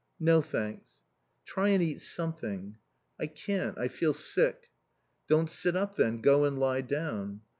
"No, thanks." "Try and eat something." "I can't. I feel sick." "Don't sit up, then. Go and lie down."